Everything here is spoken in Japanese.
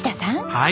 はい。